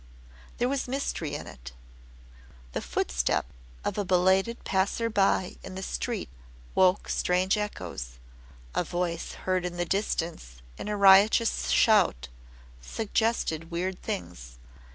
There was mystery in it. The footstep of a belated passer by in the street woke strange echoes; a voice heard in the distance in a riotous shout suggested weird things.